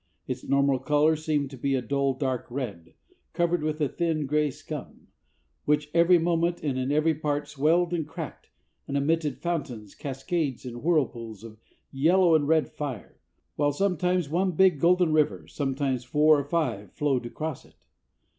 Its normal color seemed to be a dull dark red, covered with a thin gray scum, which every moment and in every part swelled and cracked, and emitted fountains, cascades, and whirlpools of yellow and red fire, while sometimes one big golden river, sometimes four or five, flowed across it.